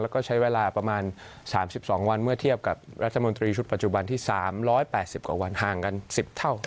แล้วก็ใช้เวลาประมาณ๓๒วันเมื่อเทียบกับรัฐมนตรีชุดปัจจุบันที่๓๘๐กว่าวันห่างกัน๑๐เท่า